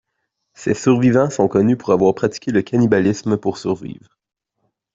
Ses survivants sont connus pour avoir pratiqué le cannibalisme pour survivre.